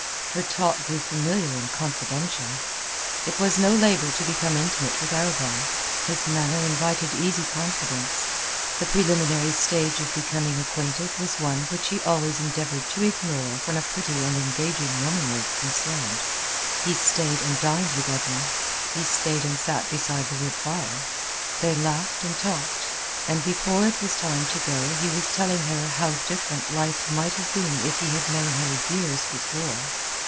Her talk grew familiar and confidential. It was no labor to become intimate with Arobin. His manner invited easy confidence. The preliminary stage of becoming acquainted was one which he always endeavored to ignore when a pretty and engaging woman was concerned. He stayed and dined with Edna. He stayed and sat beside the wood fire. They laughed and talked; and before it was time to go he was telling her how different life might have been if he had known her years before.